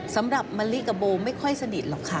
สำหรับมะลิกับโบไม่ค่อยสนิทหรอกค่ะ